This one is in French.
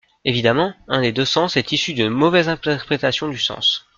Évidemment, un des deux sens est issu d'une mauvaise interprétation du sens.